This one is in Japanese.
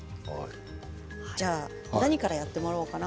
何からやってもらおうかな。